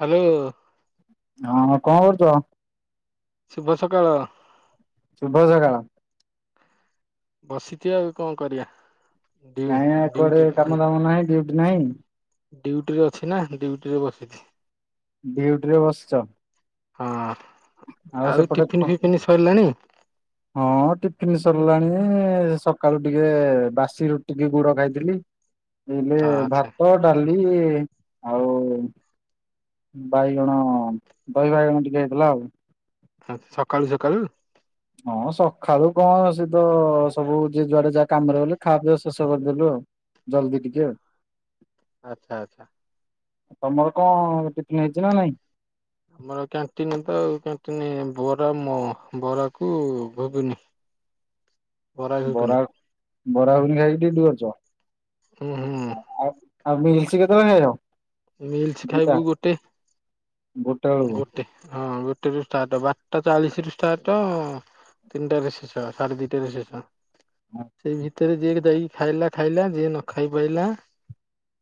Hello ହଁ କଣ କରୁଛ? ଶୁଭ ସକାଳ। ଶୁଭ ସକାଳ। ବସିଥିବା ଆଉ କଣ କରିବା ଡ୍ୟୁ- ନାଇଁ କୁଆଡେ ଡ୍ୟୁଟି କାମ ଦାମ ନାହିଁ ଡ଼ିଉଟି ନାହିଁ? ଡ଼ିଉଟି ରେ ଅଛି ନା ଡ଼ିଉଟିରେ ବସିଛି। ଡ଼ିଉଟିରେ ବସିଚ? ହଁ ଆଉ ସେପଟେ ଟିଫିନ ହଁ ଫିଫିନ ସରିଲାଣି ଟିଫିନ ସରିଲାଣି। ଏ ସକାଳୁ ଟିକେ ବାସିରୁ ଟିକେ ଗୁଡ ଖାଇଥିଲି। ହେଲେ ଆଚ୍ଛା ଭାତ ଡାଲି ଆଉ ବାଇଗଣ ଦହିବାଇଗଣ ଟିକେ ହେଇଥିଲା ଆଉ। ସକାଳୁ ସକାଳୁ? ହଁ ସକାଳୁ କଣ ସେ ତ ସବୁ ଯିଏ ଯୁଆଡେ ଯାହା କାମରେ ଗଲେ ଖାବା ପିଇବା ଶେଷ କରିଦେଲୁ ଆଉ। ଜଲ୍ଦି ଟିକେ। ଆଚ୍ଛା ଆଚ୍ଛା। ତମର କଣ ଟିଫିନ୍ ହେଇଛି ନା ନାଇଁ? ଆମର କ୍ୟାଣ୍ଟିନ ତ ଆଉ କ୍ୟାଣ୍ଟିନ ବରା ମୋ ବରାକୁ ଭୁବୁନି। [inaudible] [unintelligible] ବରାବରି ଖାଇକି ଟେ ଦି ଅଛ? ହୁଁ ହୁଁ ଆଉ ଆଉ ମିଲ୍ସ କେତେବେଳେ ଖାଇବ? ମିଲ୍ସ ଦିଟା ଖାଇବୁ ଗୋଟେ ଗୋଟେ ବେଳକୁ ଗୋଟେ ହଁ ଗୋ। ବାରଟା ଚାଳିଶ ର ଷ୍ଟାର୍ଟ, ତିନିଟ ରେ ଶେଷ। ସାଢେ ଦିଟାରୁ ଶେଷ। ସେଇ ଭିତରେ ଯିଏ ଯାଇକି ଖାଇଲା ଖାଇଲା ଯିଏ ନ ଖାଇ ପାରିଲା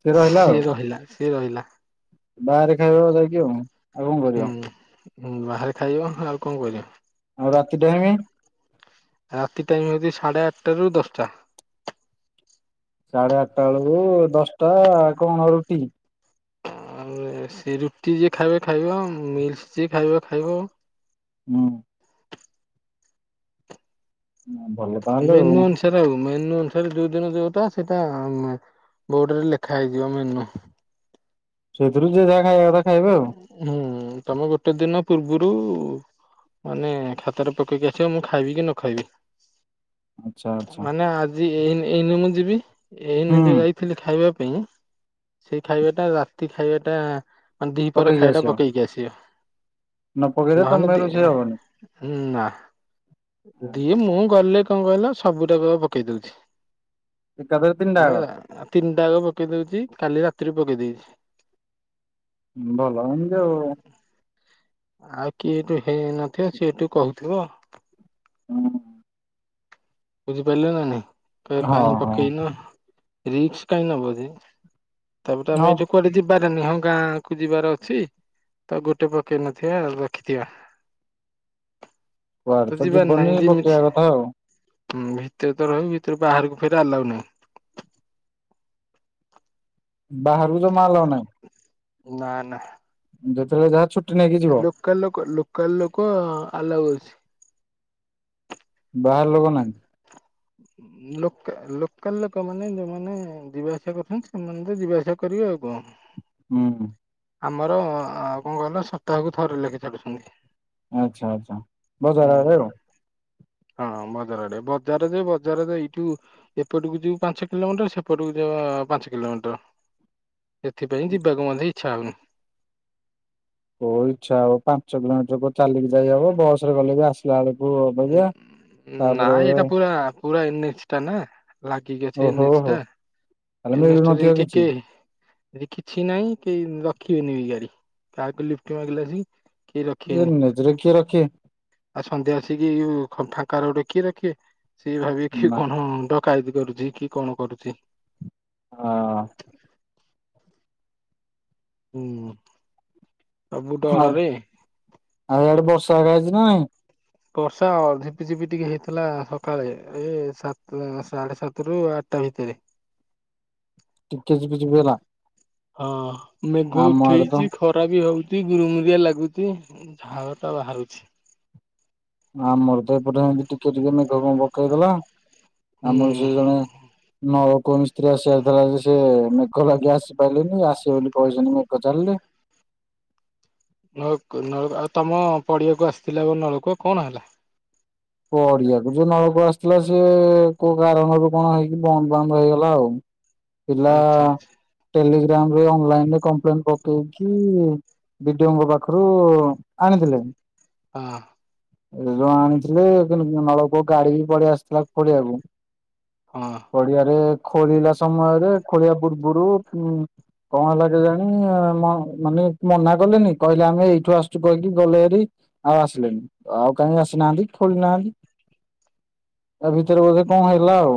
ସେ ରହିଲା ଆଉ ସିଏ ରହିଲା। ବାହାରେ ଖାଇବାକୁ ଯାଇକି ଆଉ ଆଉ କଣ କରିବ? ହୁଁ ବାହାରେ ଖାଇବ ଆଉ କଣ କରିବ? ଆଉ ରାତି ଟାଇମ? ରାତି ଟାଇମ ହଉଛି ସାଢେ ଆଠଟା ରୁ ଦଶଟା। ସାଢେ ଆଠଟା ବେଳକୁ ଦଶଟା କଣ ରୁଟି? ଆଉ ସେ ରୁଟି ଯିଏ ଖାଇବ ଖାଇବ, ମିଲ୍ସ ଯିଏ ଖାଇବ ଖାଇବ। ହୁଁ ଭଲ ତାହେଲେ ଆଉ। ମେନୁ ଅନୁସାରେ ଆଉ ମେନୁ ଅନୁସାରେ ଦୁଇ ଦିନ ଯୋଉଟା ସେଟା ବୋର୍ଡରେ ଲେଖା ହେଇଯିବ ମେନୁ। ସେଥିରୁ ଯିଏ ଯାହା ଖାଇବା କଥା ଖାଇବେ ଆଉ। ହୁଁ ତମେ ଗୋଟେ ଦିନ ପୂର୍ବରୁ ମାନେ ଖାତାରେ ପକେଇକି ଆସିବ ମୁଁ ଖାଇବି କି ନ ଖାଇବି। ଆଛା ଆଚ୍ଛା। ଏ ଏଇନ ମୁଁ ଯିବି ହୁଁ ଏଇନ ଯୋଉ ଯାଇଥିଲି ଖାଇବା ପାଇଁ ସେଇ ଖାଇବା ଟା ରାତି ଖାଇବାଟା ମାନେ ଦ୍ଵିପହର ପକେଇକି ଖାଇବାଟା ଆସିବ ପକେଇକି ଆସିବ। ନ ପକେଇଲେ ତମପାଇଁ ରୋଷେଇ ହବନି। ଁ ନା ଦିଏ ଆଚ୍ଛା ମୁଁ ଗଲେ କଣ କହିଲା ସବୁଟାକ ପକେଇ ଦଉଛି ଏକାଥରେ ତିନିଟା ଯାକ ତିନିଟା ଆ ପକେଇ ଦଉଛି କାଲି ରାତି ତପ କେଦି ଭଲ ଯ ଆଉ କିଏଠୁ ହେଇନଥିବ ସେଠୁ କହୁଥିବ ହଁ ବଝି ପହିଲ ନା ନାଇ କ ହଁ କାଇ ହଁ ପକେଇ ନ ରିକ୍ କାାଇଁ ନବଝ ତାପଟ ଆମେ ହଁ ଏଇଠି କୁଆଡେ ଯିବା ଯିବାର ନିହଁ ଗାଁ କୁ ଯିବାର ଅଛି ତ ଗୋଟେ ପକେଇ ନଥିବାଉ ରଖିଥିବା କୁଆଡେ ତ ଯିବାର ଯିବନି ନାହିଁ ଯେମିତି ପକେଇବା କଥା ଆଉ ହୁଁ ଭିତରେ ତ ରହିବି ଭିତରେ ବାହାରକୁ ଫେର ଆ ଲାଗନି ବାହାରୁ ଜମା ହେଲା ନାହିଁ ନା ନା ଯେତେବେଳେ ଯା ଲୋକାଲ ଲୋକ ଲୋକାଲ ଲୋକ ଆଲଗ ଅଉଛି ବାହାର ଲୋକ ନାଁ ଲୋକ ଲୋକାଲ ଲୋକମାନୋନେ ଯୋଉମାନେ ଯିବା ଆସିବା କରୁଛନ୍ତି ସେମାନେ ତ ଯିବାଆସିବା କରିବେ ଆଉ କଣ ହଁ ଆମର କଣ କହିଲ ସପ୍ତାହକୁ ଥରେ ଲେଖି ଚାଲୁଛନ୍ତି ଆଚଛା ଆଚ୍ଛା ବସାରଉ ହଁ ବଜାର ଆଡେ ବଜାର ଯ ବଜାର ଯ ଏଇଠୁ ଏପଟକୁ ଯାଉ ପାଞ୍ଚ କିଲୋମିଟର ସେପଟକୁ ଯାଉ ପାଞ୍ଚ କିଲୋମିଟର ସେଥିପାଇଁ ଯିବାକୁ ମ ଇଚ୍ଛା ହଉନି ହଉ ଇଚ୍ଛା ହଉ ପାଞ୍ଚ କିଲୋମିଟର ଚାଲିକି ଯାଇ ହବ ବସ ରେ ଗଲେ ବି ଆସିଲା ବେଳକୁ ଅବାଗିଆ ହଁ ନାଁ ତାପରେ ଏଇଟା ପୁରା ପୁରା ଏା ନା ଲାଗିଗଛି ଓହୋ ଏନସ୍ ହୋ ଟା ତାହେଲେ ଏନସ୍ ଟା ମିଳୁନଥିବ କିଛି ଠିକ କିଛି ନହିଁ କେହି ରଖିବେନି ଏ ଗାଡି କାହାକୁ ଲିଫଟ ମାଗିଲା ଆସ ଏଇ ନିଜରେ କିଏ ରଖେ ଆଉ ସନ୍ଧ୍ୟା ଆସିକି ଫାଙ୍କ ଡକିଏ ରଖେ ସିଏ ଭାବ କି ମା କଣ ଡକାୟତି କରୁଛି କି କଣ କରୁଛି ଆ ହୁଁ ସବୁ ଡରରେ ଷ କାଜ ନାହିଁ ବର୍ଷା ଝିପି ଝିପି ଟିକେ ହେଇଥିଲା ସକାଳେ ଏ ସାତ ସାଢେ ସାତ ରୁ ଆଠ ଭିତରେ କେଜିୁ କିଜିୁ ବେଲା ହଁ ମେଘ ଉଠେଇଛି ଖରା ବି ହଉଛି ଗୁରୁମରିଆ ଲାଗୁଚ ଝାଳ ଟା ବାହାରୁଛି ଆ ମରଦପୁରରେ ଏମିତି ଟିକେ ଟିକେ ମେଘ କଣ ପକେଇଦଲା ହୁଁ ଆମର ସେ ଜଣେ ନରକୂଅ ମିସ୍ତ୍ରୀ ଆସାର ଧର ସେ ମେଘ ଲାଗି ଆସିପାରିଲନି ଆସିବେ ବୋଲି କହିହୁଛନ୍ତି ମେଘ ଚାଲିଲେ କ ଆଉ ତମ ପଡିଆକୁ ଆସିଥିଲା ଆ ନଳକୂଅ କଣ ହେଲା ପଡିଆକୁ ଯୋଉ ନଳକୂ ଆସିଥିଲା ସେ କୋଉ କାରଣରୁ କଣ ହେଇକି ବନ୍ଦ ବନ୍ଦ ହେଇଗଲା ଆଉ ପିଲା ଆଚ୍ଛା ଆଚ୍ଛା ଟେଲିଗ୍ରାମ ରେ ଅନଲାଇନ ରେ କମ୍ପ୍ଲେନ ପକେଇକି ବିଡିଓଙ୍କ ପାଖରୁ ଆଣିଥିଲେ ହଁ ଏ ଯଉ ଆଣିଥିଲେ ନଳକୂ ଗାଡି ବି ପଡି ଆସିଥିଲା ପଡିଆକୁ ହଁ ପଡିଆରେ ଖୋଳିଲା ସମୟରେ ଖୋଳିବା ପୂର୍ବରୁ ଉ କଣ ହୋଗେ ଜାଣି ମାନେ ମନା କଲେନି କହିଲେ ଆମେ ଏଇଠୁ ଆସୁଛୁ କହିକି ଗଲେ ଏରି ଆଉ ଆସିଲେଣିି ଆଉ କାହିଁକି ଆସିନାହାନ୍ତି ଖୋଳି ନାହାନ୍ତି ତା ଭିତରେ ବୋଧେ କଣ ହେଲା ଆଉ।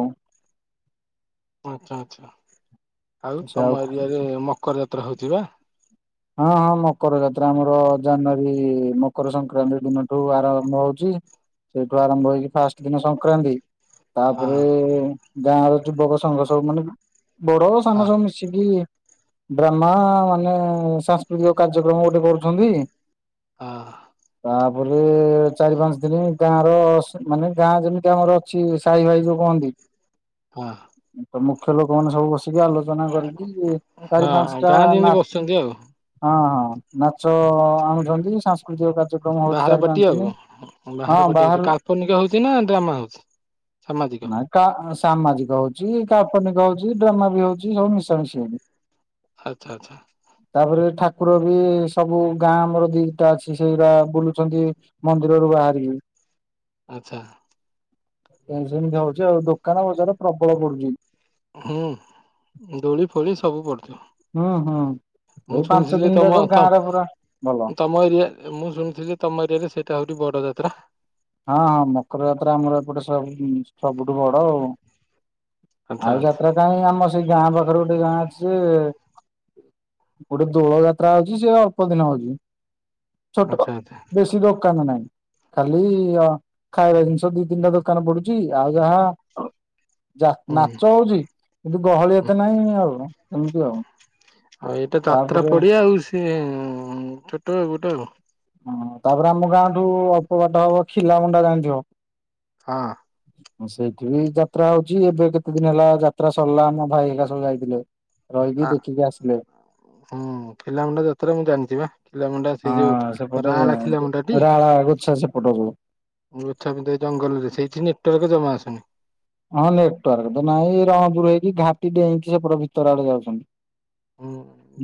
ଆଚ୍ଛା ଆଚ୍ଛା ଆଉ ତମ ଏରିଆରେ ମକର ଯାତ୍ରା ହଉଛି ପା? ହଁ ହଁ ମକର ଯାତ୍ରା ଆମର ଜାନୁଆରୀ ମକର ସଂକ୍ରାନ୍ତି ଦିନଠୁ ଆରମ୍ଭ ହଉଛି ସେଇଠୁ ଆରମ୍ଭ ହେଇକି ଫାଷ୍ଟ ଦିନ ସଂକ୍ରାନ୍ତି ହଁ ତାପରେ ଗାଁ ର ଯୁବକ ସଂଘ ସବୁ ମାନେ ବଡ ସାନ ହଁ ସବୁ ମିଶିକି ଡ୍ରାମା ମାନେ ଜିଓ କାର୍ଯ୍ୟକ୍ରମ ଗୋଟେ କରୁଛନ୍ତି ହଁ ତାପରେ ଚାରି ପାଞ୍ଚ ଦିନି ଉଁ ଗାଁ ର ସ ମାନେ ଗାଁ ଯେମିତି ଆମର ଅଛି ସାହି ଭାଇ ଯୋଉ କହନ୍ତି। ହଁ ତ ମୁଖ୍ୟ ଲୋକମାନେ ସବୁ ବସିକି ଆଲୋ ଯନା କରନ୍ତି ଏ ଚାରି ହଁ ପାଞ୍ଚଟା ଗାଁ ଯେମିତି ନା ବସୁଛନ୍ତି ଆଉ ହଁ ହଁ ନାଚ ଆଣୁଛନ୍ତି ସାଂସ୍କୃତିକ କାର୍ଯ୍ୟ ବାହାର ବାଟି ଆଉ ହଁ ବାହାର ପଟି ହଉଛି ବାହାରୁ କାଳ୍ପନିକ ହଉଛି ନାଁ ଡ୍ରାମା ହଉଛି? ସାମାଜିକ? ନାଇଁ କାସ ସାମାଜିକ ହଉଛି କାଳ୍ପନିକ ହଉଛି ଡ୍ରାମା ବି ହଉଛି ସବୁ ମିଶା ମିଶି ହଉଛି। ଆଚ୍ଛା ଆଚ୍ଛା ତାପରେ ଠାକୁର ବି ସବୁ ଗାଁ ଆମର ଦିଟା ଅଛି ସେଇରା ବୁଲୁଛନ୍ତି ମନ୍ଦିରରୁ ବାରି ଆଚ୍ଛା। ଏମତି ସେମିତି ହଉଛି ଆଉ ଦୋକାନ ବଜାର ପ୍ରବଳ ପଡୁଛି। ହୁଁ ଦୋଳି ଫୋଳି ସବୁ ପଡିଥିବ। ହୁଁ ହୁଁ। ଏଇ ମୁଁ ପାଞ୍ଚ ଦିନ ଶୁଣିଥିଲି ତମ ଯାକ ତ ଗାଁ ରେ ପୁରା ଭଲ ତମ ଏରିଆ ମୁଁ ଶୁଣିଥିଲି ଯେ ତମ ଏରିଆରେ ସେଇଟା ହଉଛି ବଡ ଯାତ୍ରା। ହଁ ହଁ ମକର ଯାତ୍ରା ଆମର ଏପଟେ ସବ ସବୁଠୁ ବଡ ଆଉ। ଆଚ୍ଛା ଆଉ ଆଚ୍ଛା ଯାତ୍ରା କାଇଁ ଆମ ସେଇ ଗାଁ ପାଖରେ ଗୋଟେ ଗାଁ ଅଛି ଯେ ଗୋଟେ ଦୋଳ ଯାତ୍ରା ହଉଛି ସେ ଅଳ୍ପ ଦିନ ହଉଛି। ଛୋଟ ଆଚ୍ଛା ଆଚ୍ଛା ବେଶୀ ଦୋକାନ ନାହିଁ ଖାଲି ଖାଇବା ଜିନିଷ ଦି ତିନିଟା ଦୋକାନ ପଡୁଛି ଆଉ ଯାହା ଯା ହୁଁ ନାଚ ହଉଛି କିନ୍ତୁ ଗହଳି ହୁଁ ଏତେ ନାହିଁ ଆଉ କେମିତି ଆଉ। ଆଉ ଏଇଟା ଯାତ୍ରା ତାପରେ ପଡିଆ ଆଉ ସେ ଛୋଟ ଗୋଟେ ଆଉ। ହଁ ତାପରେ ଆମ ଗାଁ ଠୁ ଅଳ୍ପବାଟ ହବ ଖିଲାମୁଣ୍ଡା ଜାଣିଥିବ? ହଁ। ସେଇଠି ବି ଯାତ୍ରା ହଉଛି ଏବେ କେତେ ଦିନ ହେଲା ଯାତ୍ରା ସରିଲା ଆମ ଭାଇ ଏକା ସବୁ ଯାଇଥିଲେ। ରହିକି ଆ ଦେଖିକି ଆସିଲେ ହୁଁ ପିଲାମୁଣ୍ଡା ଯାତ୍ରା ମୁଁ ଜାଣିଛି ବା ପିଲାମୁଣ୍ଡା ହଁ ସେଇ ଯୋଉ ସେପଟେ ରା ଲଖିଲା ମୁଣ୍ଡାଟି ରାଳା ଗୋଛା ସେପଟ ସବୁ ଗୋଛା ପିନ୍ଧା ଜଙ୍ଗଲରେ ସେଇଠି ନେଟ ଜମା ଆସନି। ହଁ ନେଟୱାର୍କ ତ ନାଇଁ ରଣ ଦୂର ହେଇକି ଘାଟି ଡେଇଇଁକି ସେ ପୁରା ଭିତର ଆଡେ ଯାଉଛନ୍ତି।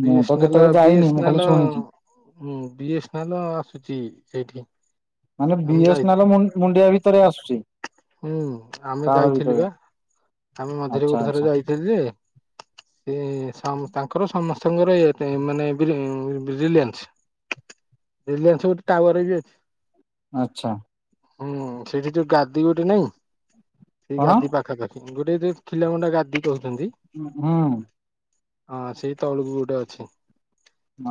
ବି ମୁଁ ତ କେତେବେଳେ ବି ଯାଇନି ମୁଁ ଖାଲି ନାଁ ଶୁଣିଛି ବିଏସ ନାଲ ଆସୁଛି। ସେଇଠି। ମାନେ ବି ଆମେ ଏସ୍ ଯାଇଥି ନ ମୁଣ୍ଡିଆ ଭିତରେ ଆସୁଚି। ହୁଁ ଆମେ ଯାଇଥିଲି ପା ଆମେ ମଝିରେ ଆଚ୍ଛା ଗୋଟେ ଆଚ୍ଛା ଥର ଯାଇଥିଲି ଯେ ସେ ତାଙ୍କର ସମସ୍ତଙ୍କର ରିଲିଆନସ। ରିଲିଆନ୍ସ ଗୋଟେ ଟାୱାର ବି ଅଛି। ଆଚ୍ଛା। ହୁଁ ସେଠି ଯୋଉ ଗାଦି ଗୋଟେ ନାଇଁ ସେଇ କଣ ଗାଦି ପାଖାପାଖି। ଗୋଟେ ଏ ଥିଲା ଗୋଟେ ଗାଧି। ହୁଁ। ହଁ ସେଇ ତଳକୁ ଗୋଟେ ଅଛି।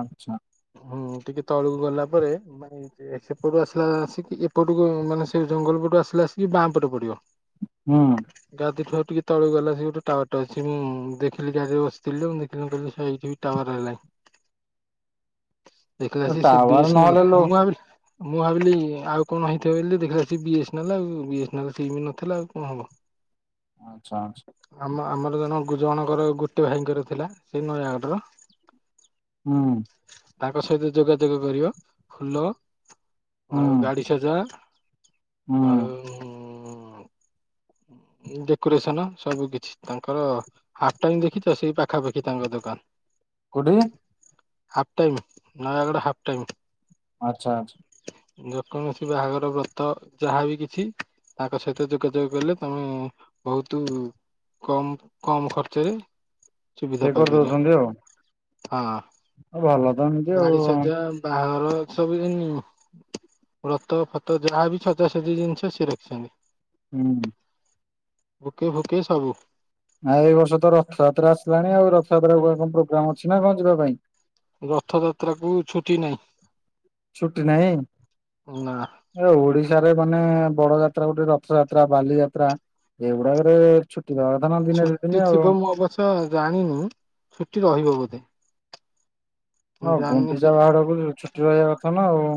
ଆଚ୍ଛା। ହୁଁ ଟିକେ ତଳକୁ ଗଲା ପରେ ମାନେ ସେପଟୁ ଆସିଲା ଆସିକି ଏପଟକୁ ମାନେ ସେ ଜଙ୍ଗଲ ଟୁ ଆସିଲେ ଆସିକି ବାଁ ଉପଟରେ ପଡିବ, ହୁଁ ଗାଧଠୁ ଟିକେ ତଳକୁ ଗଲା ସେ ଗୋଟେ ଟାୱାର ଟା ଅଛି ମୁଁ ଦେଖିଲି ଗା ବସିଥିଲି ମୁଁ ଦେଖିଲି ମୁଁ କହିଲି ସେ ହେଇଛି ଟାୱାର ହେଲାଣି [inaudible] [unintelligible] ଟାୱାର ନହେଲେ ଲୋ ଆମ ଆ ମୁଁ ଭାବିଲି ଆଉ କଣ ହେଇଥିବ ବଲି, ଦେଖିଲା ବିଏସ ନେଲେ ଆଉ ସେଇ ବି ନଥିଲା କଣ ହବ ଆଚଛାଛ ଆମ ଆମର ଜଣ ଜଣଙ୍କର ଗୋଟେ ଭାଇଙ୍କର ଥିଲା ସେଇ ନୟାଗଡର ହୁଁ ତାଙ୍କ ସହିତ ଯୋଗାଯୋଗ କରିବ ଫୁଲ ଆଉ ହୁଁ ଗାଡି ସଜା ହୁଁ ହଉ [inaudible] [unintelligible] ଡେକୋରେସନ ସବୁ କିଛି ତାଙ୍କର ହାଟହିଁ ଦେଖିଛ ସେଇ ପାଖାପାଖି ତାଙ୍କ ଦୋକାନ କୋଠି ହାଫଟାଇମ, ନୟାଗଡ ହାଫଟାଇମ ଆଚ୍ଛା ଆଚ୍ଛା ଯେକୌଣସି ବାହାଘର ବ୍ରତ ଯାହାଵି କିଛି ତାଙ୍କ ସହିତ ଯୋଗାଯୋଗ କଲେ ତମେ ବହୁତ କମ କମ ଖର୍ଚ୍ଚରେ ସେ ସୁବିଧା ପାଇପାରିବା, କରିଦଉଛନ୍ତି ଆଉ। ଭଲ ତ ଏମିତି ହଁ ଆଉ ଗାଡି ସଜ୍ୟା ବାହାର ସବୁ ଦିନିବ୍ରତ ଫତ ଯାହାବି ସଜାସଜି ଜିନିଷ [inaudible] ହୁଁ ଭୁକେ ଭୁକେ ସବୁ ଆ ଏଇ ବର୍ଷ ତ ରଥଯାତ୍ରା ଆସିଲାଣି ଆଉ ରଥଯାତ୍ରା କ କଣ ପ୍ରୋଗ୍ରାମ ଅଛି ନା କଣ ଯିବା ପାଇଁ ରଥଯାତ୍ରା କୁ ଛୁଟି ନାହିଁ ଛୁଟି ନାହିଁ, ନା ଓଡିଶା ମାନେ ବଡ ଯାତ୍ରା ଗୋଟେ ରଥଯାତ୍ରା, ବାଲିଯାତ୍ରା, ଏଗୁଡାକରେ ଛୁଟି ଦବା କଥା ନା ଦିନେ ଦି ଦିନି ଛୁଟି ଆଉ। ଥିବ ମୁଁ ଅବସ୍ୟଜାଣିନି, ଛୁଟି ରହିବ ବୋଧେ ହଁ ମୁଁ ଜାଣିନି ସେ ଗୁଣ୍ଡିଚା ବାହୁଡା କୁ ଛୁଟି ରହିବା କଥା ନା ଆଉ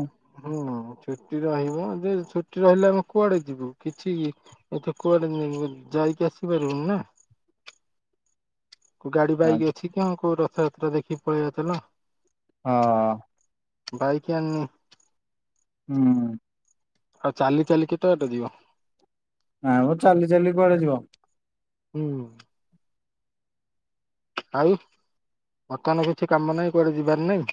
ହୁଁ ଛୁଟି ରହିବ ଯେ ଛୁଟି ରହିଲେ ଆମେ କୁଆଡେ ଯିବୁ କିଛି ଏଠି କୁଆଡେ ନେଇ ଯାଇକି ଆସିପାରିବିନି ନା [inaudible] ଗାଡି ହଁ ବାଇକି ଅଛି କିକୋଉ ରଥଯାତ୍ରା ଦେଖିକି ପଳେଇଆସିଲ ହଁ ଭାଇକି ଅନନି ହୁଁ ଆଉ ଚାଲି ଚାଲି କେତେ ବାଟ ଯିବ ନାମ ଚାଲି ଚାଲି ପରେୁଡ ଯିବ ହୁଁ ଆଉ ମତମାନ କିଛି କାମ ନାହିଁ କୁଆଡେ ଯିବାର ନାାଇଁ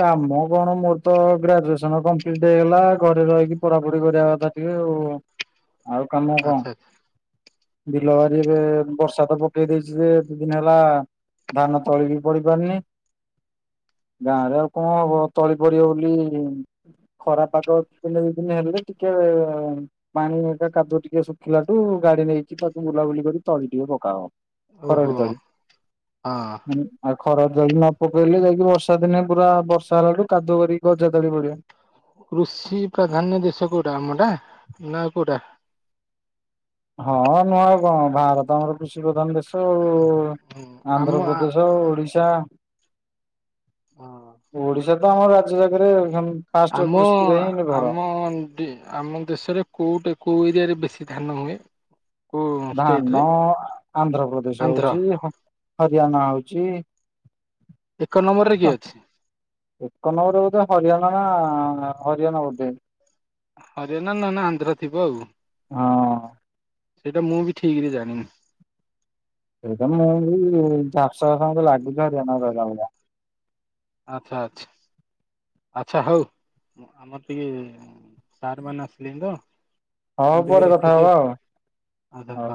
କାମ କଣ ମୋର ତ ଗ୍ରାଜୁଏସନ କମ୍ପ୍ଲିଟ ହେଇଗଲା ଘରେ ରହିକି ପଢାପଢି କରିବା କଥା ଟିକେ ଆଉ କାମ ଆଚ୍ଛା କଣ ବିଲବାରି ଏବେ ବର୍ଷା ତ ପକେଇ ଦେଇଛି ଯେ ଦି ଦିନ ହେଲା ଧାନ ତଳି ବି ପଡିପାରନି ଗାଁ ରେ ଆଉ କଣ ହବ ତଳି ପଡିବ ବୋଲି ଖରାପାଗ ଦିନ ଦି ଦିନ ହେଲେ ଟିକେ ପାଣି ଏଟା କାଦୁଅ ଟିକେ ଶୁଖିଲାଠୁ ଗାଡି ନେଇି ତାକୁ ବୁଲାବୁଲି କରି ତଳି ଟିକେ ପକାହବ, ଆଚ୍ଛା ଓହୋ ଖରଡି ତଳି ହଁ ଖରାଯାଇକି ନ ପକେଇଲେ ଯାଇକି ବର୍ଷାଦିନେ ପୁରା ବର୍ଷାହେଲାଠୁ କାଦୁ କରିକି ଗଜା ତାଳି ପଡିବ କୃଷି ପ୍ରାଧାନ୍ୟ ଦେଶ କୋଉଟା ଆମଟା ନା ପୁରା ହଁ ନୂଆ ଆଉ କଣ ଭାରତ ଆମର କୃଷି ପ୍ରଧାନ ଦେଶ। ହୁଁ ଆମ ଆ ଓ-ଆନ୍ଧ୍ରପ୍ରଦେଶ ଆଉ ଓଡିଶା ଓଡିଶା ତ ଆମ ରାଜ୍ୟ ଜାଗାରେ ଆମ ଆମ ଆମ ଦେଶରେ କୋଉଟ କୋଉ ଏରିଆରେ ବେଶୀ ଧାନ ହୁଏ। କୋଉ ଷ୍ଟେଟ ରେ ଧାନ ଆନ୍ଧ୍ରପ୍ରଦେଶ ଆନ୍ଧ୍ର ହଉଛି ହରିୟାନା ହଉଛି। ଏକ ନମ୍ବର ରେ ଆଛା କିଏ ଅଛି? ଏକ ନମ୍ବର ବୋଧେ ହରିୟାଣା ଆ- ହ ହରିୟାନା ବୋଧେ। ହରିଆନା ନ ନେ ଆନ୍ଧ୍ର ଥିବ ଆଉ। ହଁ। ସେଇଟା ମୁଁ ବି ଠିକ୍ ରେ ଜାଣିନି। [inaudible] ଆଚ୍ଛା ଆଚ୍ଛା। ଆଛା ହଉ ଆମର ଟିକେ ସାର୍ ମନେ ଆସିଲେଣି ତ ହଁ ମୁଁ ଟିକେ ପରେ କଥା ରଖୁଛି ହବା ଆଉ ହଉ।